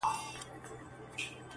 د کوترو لویه خونه کي کوتري -